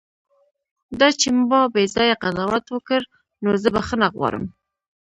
دا چې ما بیځایه قضاوت وکړ، نو زه بښنه غواړم.